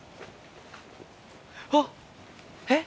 あっえっ。